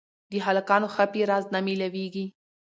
د هلکانو ښه پېزار نه مېلاوېږي